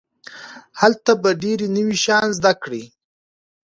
هلته به ډېر نوي شيان زده کړئ.